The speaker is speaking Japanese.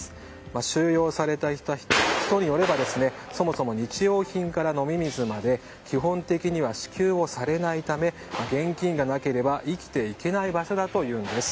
収容されていた人によればそもそも日用品から飲み水まで基本的には支給されないため現金がなければ生きていけない場所だというんです。